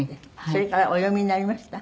それからお読みになりました？